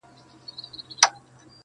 تاریخي کتابونه مهم معلومات لري